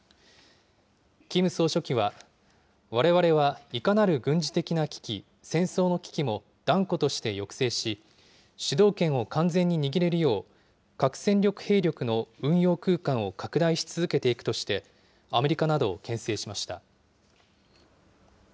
キム総書記は、われわれはいかなる軍事的な危機、戦争の危機も断固として抑制し、主導権を完全に握れるよう、核戦力兵力の運用空間を拡大し続けていくとして、アメリカなどをけん制しました。